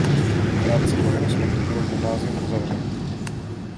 Krátce po jeho smrti bylo gymnázium uzavřeno.